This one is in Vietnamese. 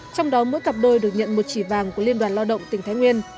trong đó mỗi cặp đôi được nhận một chỉ vàng của liên đoàn lao động tỉnh thái nguyên